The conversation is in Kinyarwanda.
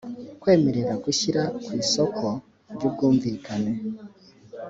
kwemerera gushyira ku isoko ry ubwumvikane